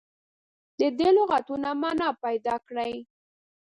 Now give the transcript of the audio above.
د دې لغتونو معنا پیداکړي.